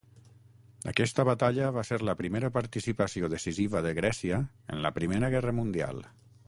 Aquesta batalla va ser la primera participació decisiva de Grècia en la Primera Guerra Mundial.